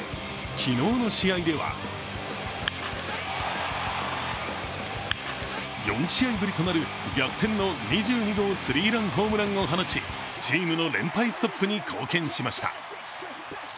昨日の試合では４試合ぶりとなる逆転の２２号スリーランホームランを放ち、チームの連敗ストップに貢献しました。